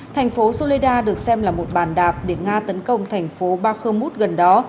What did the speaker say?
thành phố soledad được xem là một bàn đạp để nga tấn công thành phố bakhmut gần đó